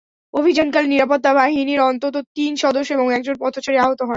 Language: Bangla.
অভিযানকালে নিরাপত্তা বাহিনীর অন্তত তিন সদস্য এবং একজন পথচারী আহত হন।